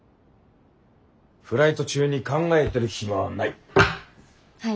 フライト中に考えてる暇はない。